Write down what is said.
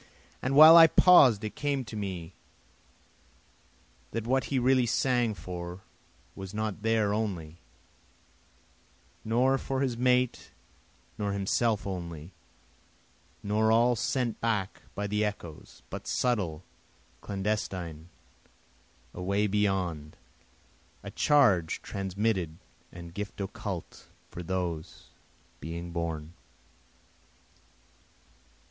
And while I paus'd it came to me that what he really sang for was not there only, Nor for his mate nor himself only, nor all sent back by the echoes, But subtle, clandestine, away beyond, A charge transmitted and gift occult for those being born.